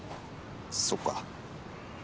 そっか。